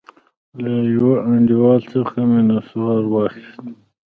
له يوه انډيوال څخه مې نسوار واخيست.